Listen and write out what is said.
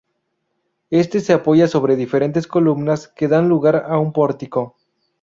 Éste se apoya sobre diferentes columnas, que dan lugar a un pórtico.